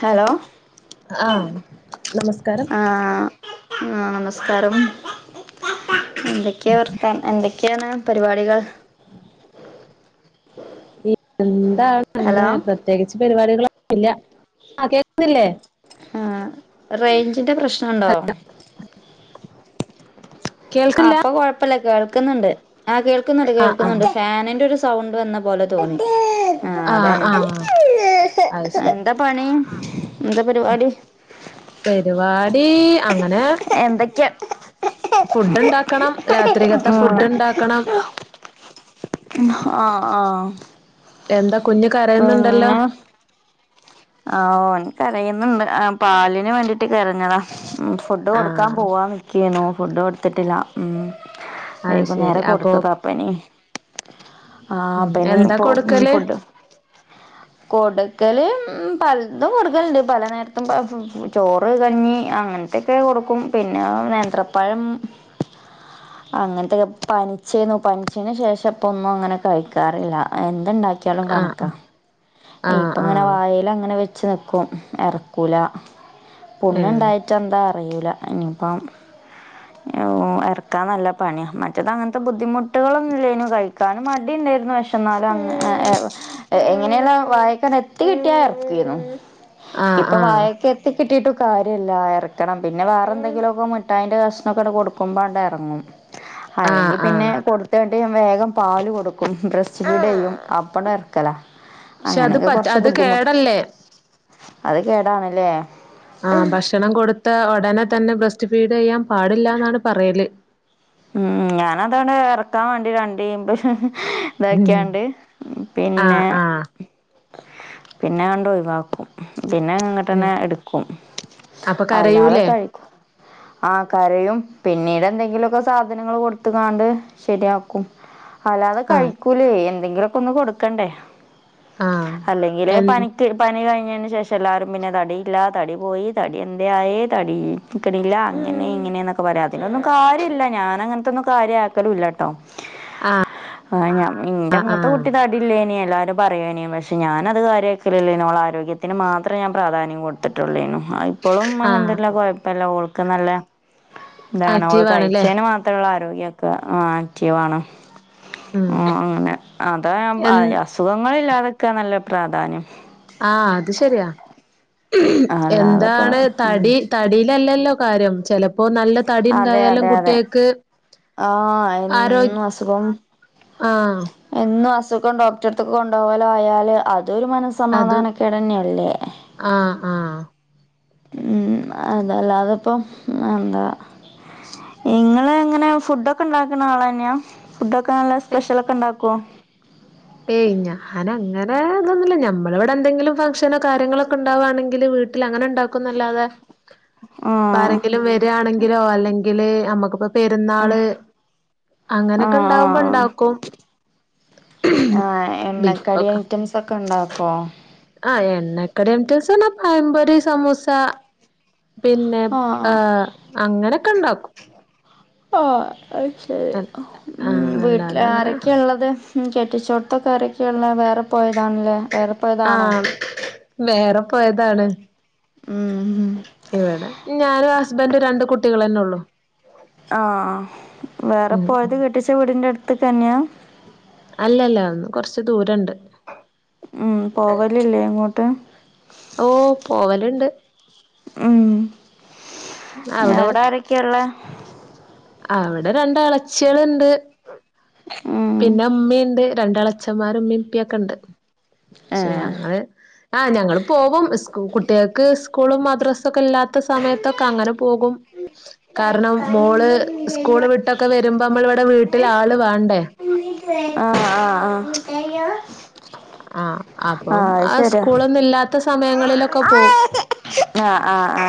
Hello ആഹ് നമസ്കാരം ആഹ നമസ്കാരം എന്തൊക്കെയാ വർത്തൻ എന്തൊക്കെയാണ് പരിപാടികൾ [unintelligible] എന്താണ് ഹലോ അങ്ങനെ പ്രത്യേകിച്ച് പരിപാടികളൊന്നുല്ല ആ കേക്ക്ണ്ല്ലേ ആഹ് റേഞ്ചിന്റെ പ്രശ്നുണ്ടോ? [unintelligible] ആ അപ്പൊ കൊഴപ്പില്ല കേൾക്കുന്നുണ്ട് ആഹ് കേൾക്കുന്നുണ്ട് ആഹ് ആഹ് കേൾക്കുന്നുണ്ട് ഫാനിന്റെ ഒരു സ് സൗണ്ട് വന്ന പോലെ തോന്നി ആഹ് അതാണ് അത് ശരി എന്താ പണി എന്താ പരിപാടി പരിപാടി അങ്ങനെ എന്തൊക്കെയാ? ഉ [unintelligible] ഫുഡ് ഉണ്ടാക്കണം രാത്രികത്ത ഫുഡ് ഉണ്ടാക്കണം. ആഹ് ആഹ് എന്താ കുഞ്ഞു കരയുന്നുണ്ടല്ലോ? ആ ഓൻ കരയുന്നുണ്ട് ആഹ് പാലിന് വേണ്ടീട്ട് കരഞ്ഞതാ. ഉം ഫുഡ് കൊടുക്കാൻ ആഹ് പോവാൻ നിൽക്കെന്നു ഫുഡ് കൊടുത്തിട്ടില്ല ഉം. അത് ശരി വൈകുന്നേരം അപ്പൊ കൊടുത്തതാ അപ്പനി ആഹ് ഉം എന്താ ഇബനിപ്പോ കൊടുക്കല് ഫുഡ് കൊടുക്കല് ഉം പലതും കൊടുക്കലുണ്ട് പല നേരത്തും ചോറ് കഞ്ഞി ആ അങ്ങനത്തൊക്കെ കൊടുക്കും പിന്നെ നേന്ത്രപ്പഴം. അങ്ങനത്തെക്കെ പനിച്ചേന്നു പനിച്ചേന് ശേഷം ഇപ്പ ഒന്നും അങ്ങനെ കഴിക്കാറില്ല എ എന്ത്‌ണ്ടാക്കിയാലും കണക്ക ആഹ് ആഹ് ആഹ് ഇപ്പങ്ങനെ ആഹ് വായെലങ്ങനെ വെ ച്ച് നിക്കും എറക്കൂല ഏഹ് പുണ്ണ്ണ്ടായിട്ട് എന്താ കയ്യൂല ഇനിപ്പം പ ഇറക്കാൻ നല്ല പണിയ മറ്റേത് അങ്ങനത്തെ ബുദ്ധിമുട്ടുകളൊന്നുംല്ലനു കഴിക്കാനും മടി ല്ലായിരുന്നു പക്ഷെ ന്നാലും അങ്ങനെ [unintelligible] അങ്ങനെയല്ല വായക്കന്ന് എത്തി കിട്ടിയ എറകീന്നു ആഹ് ഇപ്പൊ ആഹ് വായക്കെ എത്തി കിട്ടിയിട്ട് കാര്യല്ല ഇറക്കണം പിന്നെ വേറെ എന്തെങ്കിലുമൊക്കെ മിട്ടായിന്റെ കഷ്ണൊക്കെ ആണ്ട് കൊടുക്കുമ്പോണ്ട്റങ്ങും. ആഹ് അല്ലെങ്കി പിന്നെ ആഹ് കൊടുത്ത ന്നട്ട് വേഗം പാല് കൊടുക്കും ബ്രസ്റ്റ് ഫീടെയ്യും അപ്പണ്ട് ഇറക്കലാ. പക്ഷെ അത് അങ്ങനെയൊക്കെ പറ്റ കൊറച്ച് അത് ബുദ്ധിമുട്ട് കേടല്ലേ അത് കേടാണ് ലെ. ആ ഭക്ഷണം കൊടുത്ത ഉടനെ തന്നെ ബ്രസ്റ്റ് ഫീഡ് ചെയ്യാൻ പാടില്ലന്നാണ് പറയല്. ഉം ഞാനതാണ്ട് ഇറക്കാൻ വേണ്ടി രണ്ട് ഈമ്പ് ഇതൊക്കാണ്ട് പിന്നെ ആഹ് ആഹ് പിന്നെ ആണ്ട് ഒഴിവാക്കും. പിന്നെങ്ങട്ടന്നെ ഉം എടുക്കും അപ്പൊ അല്ലാതെ കരയൂലേ? കഴിക്കും. ആ കരയും പിന്നീട് എന്തെങ്കിലുമൊക്കെ സാധനങ്ങള് കൊടുത്തക്കാണ്ട് ശരിയാക്കും അല്ലാതെ ആഹ് കഴിക്കൂലേ എന്തെങ്കിലും സാ ഒന്നും കൊടുക്കണ്ടേ ആഹ് അല്ലെങ്കിലേ എൻ പനിറ്റ് പനി കൈ ഞ്ഞ് ഞ്ഞെന് ശേഷം എല്ലാരും പിന്നെ തടിയില്ലാ തടി പോയി തടി എന്തേ ആയേ തടിക്കണില്ലാ അങ്ങനെ ഇ ഇങ്ങനെയന്നൊക്കെ പറയും അതിലൊന്നും കാര്യല്ലാ ഞാന് അങ്ങനത്തൊന്നും കാര്യ ആക്കലില്ലാട്ടോ. ആ ഞാൻ എന്റെ ആഹ് മൂത്ത ആഹ് കുട്ടി തടില്ലേനി എല്ലാരും പറയേനീം പക്ഷെ ഞാനത് കാര്യക്കലില്ലേനോ ഓളെ ആരോഗ്യത്തിന് മാത്രേ ഞാൻ പ്രാധാന്യം കൊടുത്തിട്ടുള്ളേനു ആ ഇപ്പോളും അൽഹം ആഹ് ദുല്ലില്ലാ കൊഴപ്പല്ലാ ഓൾക്ക് നല്ല ഇതാണ് ഓള് ആക്റ്റീവ് ആണ് ലെ കഴിച്ചേന് മാത്രമുള്ള ആരോഗ്യൊക്കെ ആക്റ്റീവ് ആണ് ഉം അങ്ങനെ അതാ ഞാൻ എൻ അസുഖങ്ങളില്ലാതെ നിക്കാന്നല്ലേ പ്രാധാന്യം ആ അത് ശരിയാ അല്ലാതെപ്പ എന്താണ് ഉം തടി തടിയിലല്ലല്ലോ കാര്യം ചിലപ്പോ ഇപ്പൊ നല്ല അതെ തടിണ്ടായാലും അതെ അതെ കുട്ടികൾക്ക് ആ ആരോ എന്നും അസുഖം ആഹ് [unintelligible] ഡോക്ടറടുത്തേക്ക് കൊണ്ടുപോകലോ ആയാല് അത് അതൊരു അത് മനസ്സമാധാനക്കേടന്നെല്ലേ ആഹ് ആഹ് ഉം അതല്ലാതിപ്പം എന്താ നിങ്ങള് എങ്ങനെ ഫുഡ് ഒക്കെ ഇണ്ടാക്കണ ആളന്നെയാ ഫുഡ് ഒക്കെ നല്ല സ്പെഷ്യല് ഒക്കെ ഇണ്ടാക്കോ അങ്ങനെ ഇതൊന്നുമ്മില്ലാ നമ്മള് ഇവിടെ എന്തെങ്കിലും നമ്മൾ ഫംഗ്ഷനോ കാര്യങ്ങളൊക്കെ ഉണ്ടാകുവാണെങ്കില് വീട്ടില് അങ്ങനെ ഇണ്ടാക്കൂന്നല്ലാതെ ഇപ്പ ആഹ് ആരെങ്കിലും വരുകാണെങ്കിലോ അല്ലെങ്കില് നമ്മക്കിപ്പോ പെരുന്നാള് അങ്ങനൊക്കെ ആഹ് ഇണ്ടാവുമ്പോ ആഹ് ണ്ടാക്കും ആ എണ്ണക്കടി ഐറ്റംസ് ഒക്കെ ഇണ്ടാക്കോ ആ എണ്ണക്കടി ഐറ്റംസ് പഴംപൊരി സമൂസ പിന്നെ ആ ആഹ് അങ്ങനെയൊക്കെ ഇണ്ടാ ഈ ശരി ഉം ആഹ് വീട്ടില് അല്ലാതെ അങ്ങനെ ആരൊക്കെയാ ഇള്ളത് ഉം കെട്ടിച്ചോടത്തൊക്കാ ആരൊക്കെയാ ഉള്ളേ വേ വേറെ പോയതാണല്ലേ വേറെ പോയതാണോ ആഹ് വേറെ പോയതാണ്. ഉം ഇവിടെ ഞാനും ഹസ്ബൻഡും രണ്ട് കുടികളെന്നെ ഒള്ളു ആ വേറെ ഉം പോയത് ഉം. കെട്ടിച്ച വീടിന്റെടുത്ത് ക്കന്യാ അല്ലല്ലാ കൊറച്ച് ദൂരണ്ട് ഉം പോവലില്ലേ അങ്ങോട്ട് ഓ പോവലിണ്ട് ഉം അവിടെ ആരൊക്കെയാ ഉള്ളേ അവിടെ രണ്ട് അളച്ചിള്ണ്ട് ഉം പിന്നെ ഉമ്മയുണ്ട് രണ്ട്എള ച്ഛന്മാര് ഇമ്മീം ഇപ്പിയൊക്കെണ്ട് ക്ഷെ ആഹ് ഞങ്ങള് ആ ഞങ്ങള് പോവും സ്കൂ കുട്ടികൾക്ക് സ്കൂളും മദ്രസ ഒക്കെ ഇല്ലാത്ത സമയത്തൊക്കെ അങ്ങനെ പോകും കാരണം മോള് സ്‌കൂള് വിട്ടൊക്കെ വരുമ്പ നമ്മള് ഇവിടെ വീട്ടില് ആള് വണ്ടേ ആ ആ ആ ആ അപ്പം ആ സ്കൂളൊന്നും ഇല്ലാത്ത സമയങ്ങളിലൊക്കെ പോവും ആ ആ ആ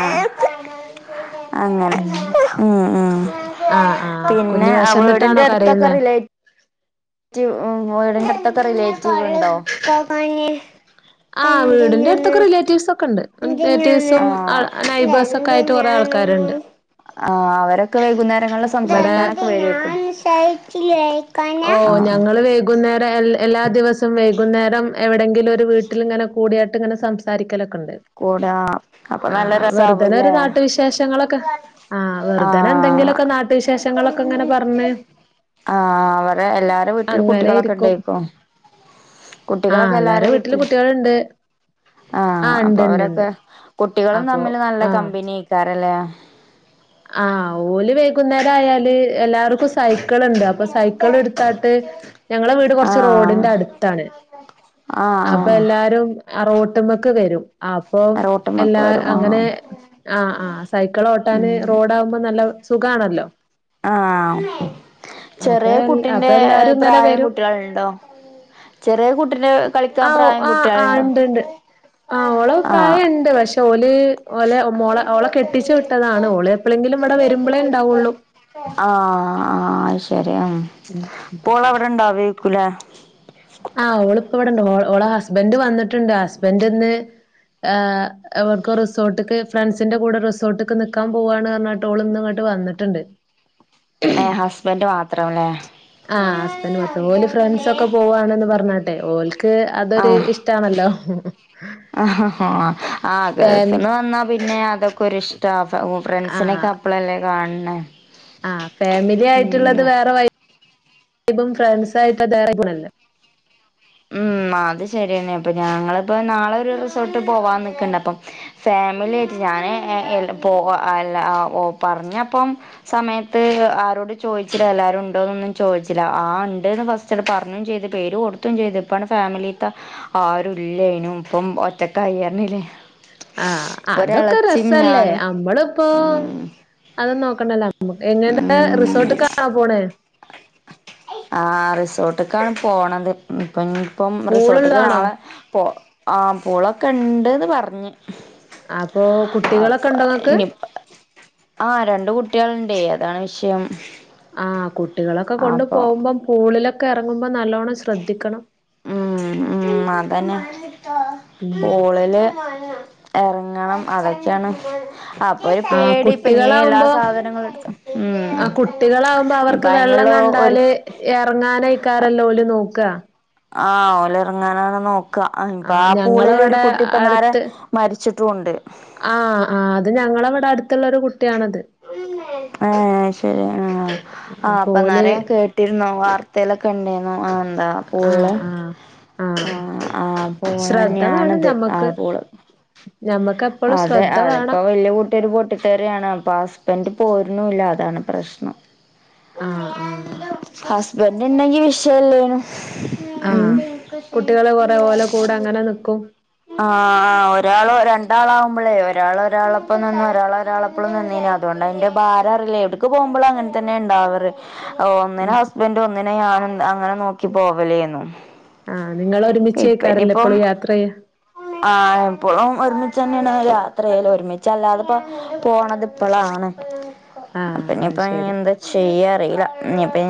അങ്ങനെ ഉം ഉം ഉം ഉം ആഹ് ആഹ് പിന്നെ കുഞ്ഞ് ആ വീടിന്റെ വെശന്നിട്ടാണോ അടുത്തൊക്കെ കരയുന്നെ റിലേറ്റ് റ്റീവ് റിലേറ്റീവ് ഇണ്ടോ ആഹ് വീടിന്റെ അടുത്തൊക്കെ റിലേറ്റീവ്സ് ഒക്കെ ഉണ്ട് നേറ്റീവ്സും നൈബേഴ്‌സും ഒക്കെ ആയിട്ട് കൊറേ ആൾക്കാരുണ്ട് ആ അവരൊക്കെ വൈകുന്നേരങ്ങളിൽ ഇവിടെ സംസാരിക്കാനൊക്കെ വരുവാരിക്കും ഓ ഞങ്ങള് വൈകുന്നേ ടെ എല്ലാ ദിവസോം വൈകുന്നേരം എവിടെങ്കിലും ഒരു വീട്ടിൽ ഇങ്ങനെ കൂടിയാട്ട് ഇങ്ങനെ സംസാരിക്കലൊക്കേ ക്കൊണ്ട് കൂടാ അപ്പൊ ആ നല്ല വെറുതെനെ ഓരോ രസാവൂല്ലേ നാട്ടു വിശേഷങ്ങളൊക്കെ ആ വെറുതേനെ ആഹ് എന്തെങ്കിലുവൊക്കെ നാട്ടുവിശേഷങ്ങളൊക്കെ ഇങ്ങനെ പറഞ്ഞ് ആ വർ അതേ എല്ലാരേം വീട്ടിൽ അങ്ങനെ കുട്ടികളൊക്കെ ഇണ്ടേ ഇരിക്കും ക്കും ആ കുട്ടികളൊക്കെ എല്ലാരെ എല്ലാരേം വീട്ടിലും വീട്ടിൽ കുട്ടികളുണ്ട് ആ അപ്പൊ ഉണ്ട് ഉണ്ട് അവരൊക്കെ ഉണ്ട് കുട്ടികളും അപ്പൊ തമ്മില് നല്ല കമ്പനി ക്കാരല്ലേ ആ ഓല് വൈകുന്നേരം ആയാല് എല്ലാവർക്കും സൈ ക്കിൾ ഇണ്ട് അപ്പൊ സൈക്കിൾ എടുത്താട്ട് ഞങ്ങടെ വീട് കൊറച്ച് ആഹ് റോഡിന്റെ അടുത്താണ് അപ്പൊ ആഹ് എല്ലാരും റോട് ട്ട്മേക്ക് വരും അപ്പം ആഹ് റോട്ട്മ്മക്ക് എല്ലാ വരും അങ്ങനെ ആഹ് ആ ആ സൈക്കിൾഓട്ടാന് ആ അപ്പൊ ചെറിയ അപ്പൊ കുട്ടിന്റെ ഏ എല്ലാരും ഇങ്ങനെ പ്രായം വരും കുട്ടികളൊണ്ടോ ചെറിയ കുട്ടിനെ കളിക്കാൻ പ്രായം കുട്ടികളൊണ്ടോ ആ ഓള് പ്രായൊണ്ട് പക്ഷെ ഓല് ഓലെ മോളെ ഓളെ കെട്ടിച്ചു വിട്ടതാണ് ഓള് എപ്പളെങ്കിലും ഇവിടെ വരുമ്പളേ ഉണ്ടാവുള്ളൂ ആ ആ ശരി മം ഉം ഓളവിടെ ഇണ്ടാവേക്കൂല്ലേ ആ ഓളിപ്പോ ഇവിടെണ്ട് ഓള ഓൾടെ ഹസ്ബന്റ് വന്നിട്ടുണ്ട് ഹസ്ബന്റിന്ന്- ഏ എവടിക്കോ റിസോർട്ടക്ക് ഫ്രണ്ട്സിന്റെ കൂടെ റിസോർട്ടക്ക് നിക്കാ പോവാണ് പറഞ്ഞിട്ട് ഓളിന്നിങ്ങോട്ട്- വന്നിട്ടൊണ്ട് ഏ ഹസ്ബന്റ് മാത്രം അല്ലേ ആ ഹസ്ബന്റ് മാത്രം ഓല് ഫ്രണ്ട്സൊക്കെ പോവാണന്ന് പറഞ്ഞിട്ടെ ഓൽ അതൊരു ഇഷ്ടാണല്ലോ ഉ [inaudible] ഹ ഹ ഹാ ആ ഫാമി ഗൾഫിന്ന് വന്നാ പിന്നെ അതൊക്കെ ഒരിഷ്ടാ ഫ്രണ്ട്സിനൊക്കെ അപ്പളല്ലേ കാണെണ് ആ ഫാമിലി ആയിട്ടുള്ളത് വേറെ വൈബും ഫ്രാൻസായിട്ട് ദബണല്ല [unintelligible] [unintelligible] ഉം അത് ശരിയന്നെ അപ്പൊ ഞങ്ങളിപ്പോ നാളെ ഒരു റിസോർട്ട് പോവാൻ നിക്കൊണ്ട് അപ്പം ഫാ ഫാമിലി ഞാന് ഏ ഇല്ല പോവാ അല്ല ആ ഓ പറഞ്ഞപ്പം സമയത്ത് അ- ആരോട് ചോദിച്ചില്ല എല്ലാരും ആരോടും ചോദിച്ചില്ല എല്ലാരും ഉണ്ടോന്നൊന്നും ചോദിച്ചില്ല ആ ഉണ്ടെന്ന് ഫസ്റ്റ്ന്ന് പറഞ്ഞും ചെയ്ത് പേര് കൊടുത്താ ചെയ്ത് ഇപ്പാണ് ഫാമിലിത്തെ ആരും ഇല്ലേനും ഇപ്പം ഒറ്റക്കായി യഞ്ഞില്ലേ [unintelligible] ആ അതൊക്കെ രസല്ലേ ഞാനും നമ്മളിപ്പോ ഉം അതൊന്നും നോക്കണ്ടല്ലോ എങ്ങനെ ഉം റിസോർട്ട് കാണാൻ പോണേ ആ റിസോർട്ടക്കാണ് പോണത് ഇപ്പം ഇനിപ്പം റിസോർട്ടക്ക് പൂളുള്ളതാണോ? നാളെ പോ ആ പൂളൊക്കെ ഉണ്ടേന്ന് പറഞ്ഞ് അപ്പൊ കുട്ടികളൊക്കെ അപ്പൊ ഉണ്ടോ ഇങ്ങക്ക് ഇനിപ്പോ ആ രണ്ട് കുട്ടികളുണ്ടേ അത് അതാണ് വിഷയം ആ കുട്ടികളൊക്കെ കൊണ്ടു അപ്പൊ പോകുമ്പം പൂളിലൊക്കെ എറങ്ങുമ്പം നല്ലോണം ശ്രദ്ധിക്കണം ഉം ഉം അതന്നെ ഉം പൂളില് എറങ്ങണം അതൊക്കെയാണ് അപ്പൊ ഒരു ആ പേടി ഇപ്പം ഇനീ എല്ലാ കുട്ടികളാവുമ്പോ സാധനങ്ങളും എടുക്കാം ആ കുട്ടികളാവുമ്പോ ഉം അവർക്ക് ഭയങ്ക വെള്ളം കണ്ടാല് എറങ്ങാനയിക്കാരല്ലോ ഓല് നോക്ക്വ ആ ഓല് എറങ്ങാനാണ് നോക് ഇപ്പൊ ആ പൂളിൽ ഒരു ഞങ്ങളവിടെ കുട്ടി ഇപ്പൊ നേരെ അടുത്ത് മരിച്ചിട്ടും ഉണ്ട് ആ അത് ഞങ്ങടിവിടെ അടുത്തുള്ളൊരു കുട്ടിയാണത് ആ ശരി ആ ആ അപ്പൊ ഓല് അപ്പൊന്നേരം ഞാൻ കേട്ടിരുന്നുവാർത്തേലൊക്കെ കണ്ടീരുന്നു ആ എന്താ ആ പൂളില് ആ ആ ആ പൂളു ശ്രദ്ധ വേണം തന്നെയാണത് ആ ഞമ്മക്ക് പൂള് ഞമ്മക്കെപ്പളും അതെ ശ്രദ്ധ അതിപ്പോ വേണം വല്ിയ കൂട്ടിയരു പോട്ട കട്ടട്ടരാണ് അപ്പൊ ഹസ്ബൻഡറ് പോരുന്നുില്ല അതാണ് പ്രശ്നം ആ ആ ഹസ്ബൻഡ ഉണ്ടെങ്കി വിഷയല്ലേനു ആഹ് സഹ കുട്ടികള് കൊറേ രാ ഓലെ കൂടെ അങ്ങനെ നിക്കും [unintelligible] ആ ആ് ഒരാൾ രണ്ടാള ആവുമ്പോളേ ഒരാൾ ഒരാളപ്പോ നന്നു ഒരാൾ ഒരാളെപ്പോളും നന്നീന അതോ അതൊണ്ട് അന്റെ ഭാരം അറില്ലേ എവിടക്ക് പോകുമ്പോും അങ്ങനെ തന്നെ ഉണ്ടാവറ് ഒന്നിനെ ഉം ഹസ്ബന്ഡ ഒന്നിനെ ഞാനും അങ്ങനെ നോക്കി പോവലേന്നു ആഹ് നിങ്ങൾ ഒരുമിച്ച് കേക്കാാരല്ലോ എപ്പോഴും യാത്ര ചെയ്യ ആ എപ്പോഴും ഒരുമിച്ച് തന്നെയാണ് യാത്രയല്ല ഒരുമിച്ചല്ലാതെപ്പോ പോണത് ഇപ്പോഴാണ് ആഹ് അത് അപ്പനിപ്പ ശരി എന്താ ചെയ്യാ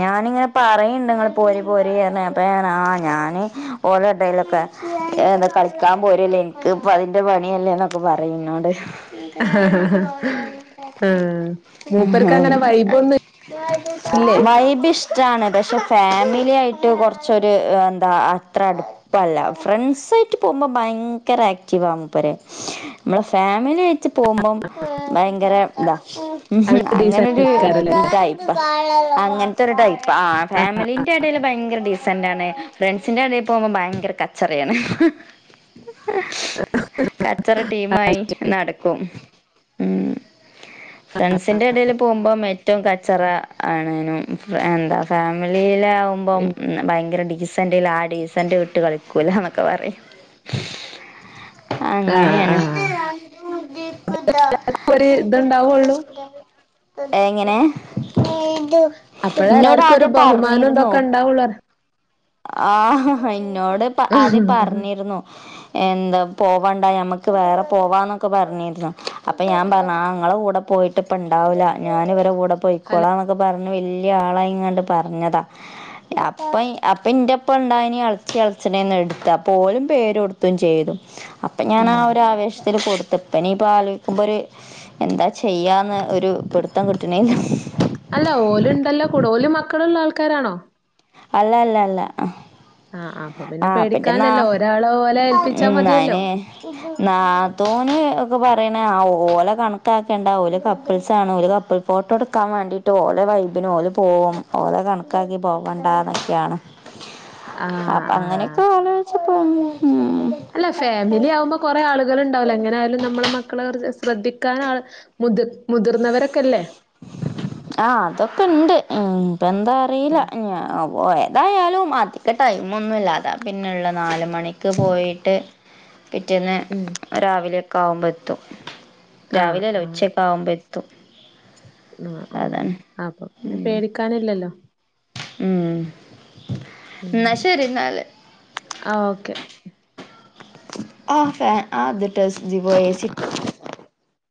ഞാനിങ്ങനെ പറയണ്ട് പോരി പോരി ഞാന്- ഡൈയിലൊക്കെ എ കളിക്ക നിക്കാൻ പോരല്ലേ എനിക്ക് ഇപ്പ അതിന്റെ പണിയല്ലേ എന്നൊക്കെ പറയും ഇന്നോട് ബരിയാനി ബ വ ആഹ് കച്ച മൂപ്പർക്ക് അങ്ങനെ വൈബൊന്നും ഇല്ലേ [unintelligible] വൈബിഷ്ടാണ് പക്ഷെ ഫാമിലി ആയിട്ട് കുറച്ചൊരു എന്താ അത്ര അടുപ്പല്ല ഫ്രണ്ട്സ് പോുമ്പോ ഭയങ്കര ആക്ടിവ നമ്മളെ ഫാമിലി- വച്ച് പോകുമ്പം ഭയങ്കര ഇതാ ഉം അവിടെ ഡീസന്റ് അങ്ങനെരു ആക്കാരല്ലേ ടൈപ്പ അങ്ങനത്തെ ഒരു ടൈപ്പ് ആ ആഹ് ഫാമിലി എന്റെ ഇടൽ ഭയങ്കര ഡീസന്റ് ആണ് ഫ്രണ്ട്സിന്റെറെ ഇടയിൽ പോകുമോൾ ഭയങ്കര കച്ചറിയാണ് ആ കച്ചറ ടീമായി ശരി നടക്കും ഉം ഫ്രണ്ട്സിന്റെ ഇടൽ പോകുമ്പോ ഏറ്റവും കച്ചറ ആണ് എന്താ ഫാമിലി ല്ല ആകുമ്പോം ഉം ഭയങ്കര ഡിസന്റല്ല ആ ഡിസന്റ് വിട്ട് കളിക്കൂല എന്നൊക്കെ പറയും ആഹ് അങ്ങനെയാണ് ആഹ് ഒരു ഇത്ണ്ടാവുള്ളൂ എങ്ങനെ അപ്പഴേ നിന്നോട എല്ലാർക്കും ഒരു ആദ്യം ബഹുമാനം പറഞ്ഞിരുന്നോ ഇതൊക്കെ ഉണ്ടാവുള്ളൂ പറയ. ആഹ എന്നന്നോട് ആദ്യ പറഞ്ഞിരുന്നു എന്താ പോവണ്ട നമ്മക്ക് വേറെ പോവാന്നൊക്കെ പറഞ്ഞിരുന്നു അപ്പൊ ഞാൻ പറഞ്ഞ ആ ഞങ്ങളുടെ കൂടെ പോയിട്ട ഇപ്പ ഉണ്ടാവില്ല ഞാന ഇവടെ കൂടെ പോയിക്കോളാക്ക പറഞ്ഞു വലിയ ആളായിങ്ങണ്ട് പറഞ്ഞതാ അപ്പ അപ്പ ഇറപ്പ ഇണ്ട അ അച്ഛനന്ന് എടുത്ത പോലും പേര് കൊടുത്തയും ചെയ്തു അപ്പൊ ഞാൻ ആ ഉം ഒരു ആവേശത്തിൽ കൊടുത്ത തപ്പന പാലിക്കുമ്പൊ ഒരു എന്താ ചെയ്യാന്ന് ഒരു പിടുത്തം കിട്ടണിൽ അല്ല ഓല ഉണ്ടല്ലോ കൂട ഓലും മക്കളുള്ള ആൾക്കാരാണോ അല്ല അല്ല അല്ല ആഹ് അപ്പൊ പിന്നെ ആഹ് പിന്നെന്നാ പേടിക്കാനില്ലല്ലോ ഒരാളെ ഓലെ ഏൽപ്പിച്ചാ ഉം മതിയല്ലോ നനാ തോനേ ഇത് ഒക്കെ പറയണ ഓലെ കണക്കാക്കെണ്ടാ ഓല് കപ്പിൾസ് ആണ് ഓല് കപ്പിൾ ഫോട്ടോ എടുക്കാൻ വേണ്ടീട്ട് ഓല വൈബിന് ഓല് പോ പോകും ഓത കണക്കാക്കി പോകണ്ടന്നൊക്കെയാണ് ആഹ് അപ്പൊ ആഹ് അങ്ങനെയൊക്കെ ആലച്ച പോങ്ങ അല്ല ഫാമിലി ആകുമ്പോ കൊറെ ആളുകൾ ഉണ്ടാവല്ലോ എങ്ങനെ ആയാലും നമ്മള മക്കളെ ശ്രദ്ധിക്കൻ ആ മുതി മുതിർന്നവരൊക്കെല്ലേ ആഹ അതൊക്കെ ഇണ്ട് ഇപ്പ എന്താ അറിയില്ല ഉം ഞ പോയ എന്തായാലും അതൊക്ക ടൈമ ഒന്നും ഇല്ലാതെ പിന്നെള്ള നാല മണിക്ക് പോയിട്ട് പിറ്റേന്ന് ഉം രാവിലെയൊക്കെ ആവുമ്പോ എത്തും ആഹ് രാവിലെയല്ല ഉച്ചക്കെ ആകുമ്പോ എത്തും [unintelligible] ആ അതാണ് ആ അപ്പൊ പിന്നെ ഉം പേടിക്കാനില്ലല്ലോ ഉം ഉം എന്നാ ശരി എന്നാല് ആഹ് ഓക്കെ. [unintelligible]